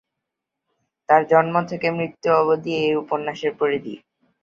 তার জন্ম থেকে মৃত্যু অবধি এই উপন্যাসের পরিধি।